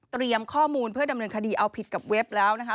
ข้อมูลเพื่อดำเนินคดีเอาผิดกับเว็บแล้วนะคะ